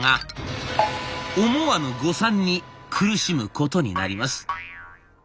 思わぬ誤算に苦しむことになります。